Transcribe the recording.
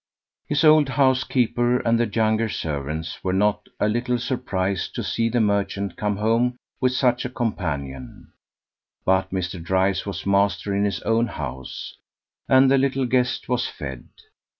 His old housekeeper and the younger servants were not a little surprised to see the merchant come home with such a companion; but Mr. Dryce was master in his own house, and the little guest was fed.